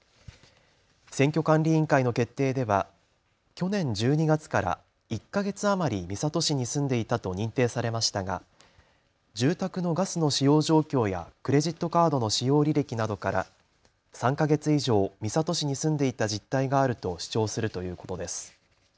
選挙管理委員会の決定では去年１２月から１か月余り三郷市に住んでいたと認定されましたが住宅のガスの使用状況やクレジットカードの使用履歴などから３か月以上、三郷市に住んでいた実態があると主張するということです。